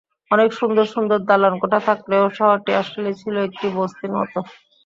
অনেক সুন্দর সুন্দর দালানকোঠা থাকলেও শহরটি আসলেই ছিল একটি বস্তির মতো।